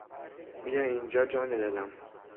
بیا اینجا جان دلم.